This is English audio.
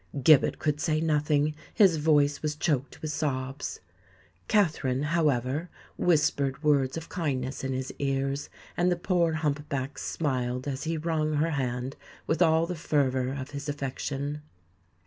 Gibbet could say nothing: his voice was choked with sobs. Katherine, however, whispered words of kindness in his ears; and the poor hump back smiled as he wrung her hand with all the fervour of his affection.